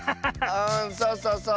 うんそうそうそう。